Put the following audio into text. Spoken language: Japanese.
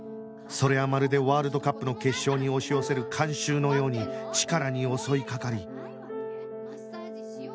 それはまるでワールドカップの決勝に押し寄せる観衆のようにチカラに襲いかかり